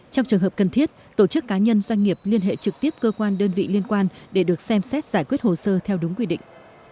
trong trường hợp cần thiết tổ chức cá nhân doanh nghiệp liên hệ trực tiếp cơ quan đơn vị liên quan để được xem xét giải quyết hồ sơ theo đúng quy định